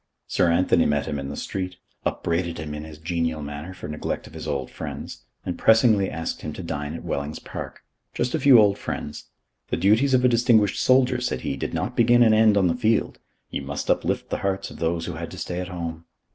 Sir Anthony met him in the street, upbraided him in his genial manner for neglect of his old friends, and pressingly asked him to dine at Wellings Park. Just a few old friends. The duties of a distinguished soldier, said he, did not begin and end on the field. He must uplift the hearts of those who had to stay at home.